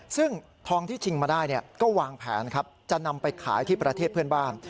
ซึ่งทองที่ชิงมาได้ก็วางแผนครับจะนำไปขายที่ประเทศเพื่อนบ้าน